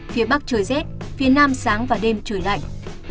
phía bắc trời rét phía nam sáng và đêm trời lạnh